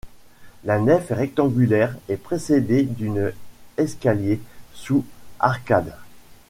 La nef est rectangulaire et précédée d'une escalier sous arcade.